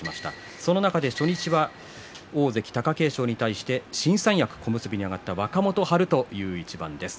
その中で初日は大関貴景勝に対して新三役小結に上がった若元春という一番です。